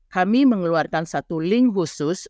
kami mengeluarkan satu link khusus